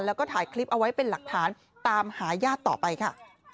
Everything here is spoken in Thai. แล้วก็ถ่ายคลิปเอาไว้เป็นหลักฐานตามหาญาติต่อไปค่ะ